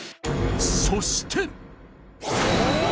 ［そして］